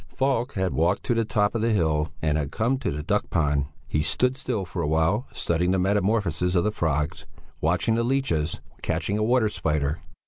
Falk had walked to the top of the hill and had come to the duck pond; he stood still for a while, studying the metamorphoses of the frogs; watching the leeches; catching a water spider.